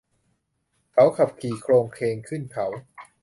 เขาขับขี่โคลงเคลงขึ้นเขา